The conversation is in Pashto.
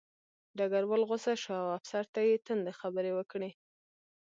ډګروال غوسه شو او افسر ته یې تندې خبرې وکړې